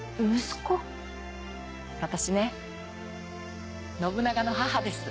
私ね信長の母です。